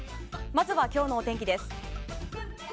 まずは今日のお天気です。